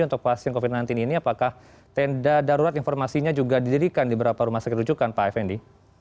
untuk pasien covid sembilan belas ini apakah tenda darurat informasinya juga didirikan di beberapa rumah sakit rujukan pak fnd